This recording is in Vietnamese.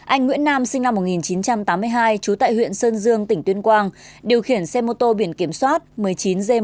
anh nguyễn nam sinh năm một nghìn chín trăm tám mươi hai trú tại huyện sơn dương tỉnh tuyên quang điều khiển xe mô tô biển kiểm soát một mươi chín g một bốn mươi chín nghìn bảy trăm một mươi hai